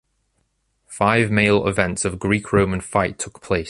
Five male events of Greek-roman fight took place.